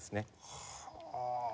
はあ！